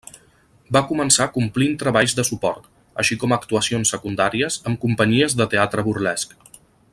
Va començar complint treballs de suport, així com actuacions secundàries amb companyies de teatre burlesc.